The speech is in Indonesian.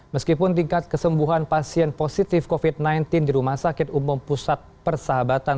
meskipun tingkat kesembuhan pasien positif covid sembilan belas di rumah sakit umum pusat persahabatan